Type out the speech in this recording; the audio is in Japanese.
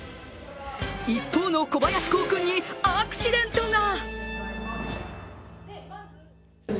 一方の小林幸生君にアクシデントが。